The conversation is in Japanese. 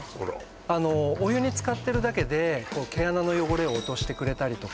あのお湯につかってるだけで毛穴の汚れを落としてくれたりとか